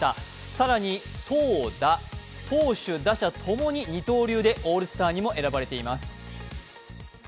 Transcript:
更に投打、投手・打者共に二刀流でオールスターにも選ばれています。